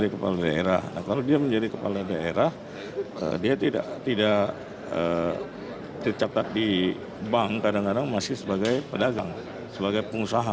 kalau dia menjadi kepala daerah dia tidak tercatat di bank kadang kadang masih sebagai pedagang sebagai pengusaha